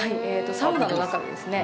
サウナの中でですね